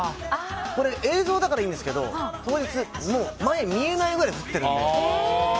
映像だからいいんですけど当日、前見えないくらい降ってるんで。